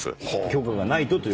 許可がないとと。